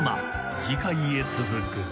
［次回へ続く］